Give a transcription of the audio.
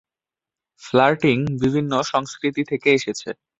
Flirting বিভিন্ন সংস্কৃতি থেকে এসেছে।